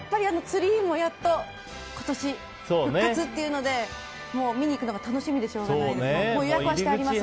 ツリーもやっと今年復活というので見に行くのが楽しみでしょうがない。